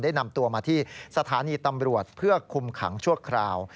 นำตัวมาที่สถานีตำรวจเพื่อคุมขังชั่วคราว